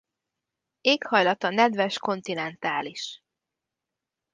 Éghajlata nedves kontinentális.